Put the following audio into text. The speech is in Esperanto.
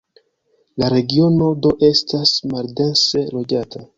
La regiono do estas maldense loĝata.